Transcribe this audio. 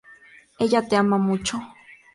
Ella te ama mucho".